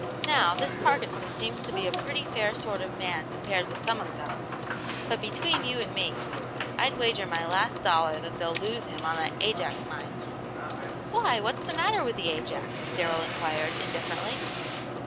Now, this Parkinson seems to be a pretty fair sort of man compared with some of them, but between you and me, I'd wager my last dollar that they'll lose him on that Ajax mine!" "Why, what's the matter with the Ajax?" Darrell inquired, indifferently.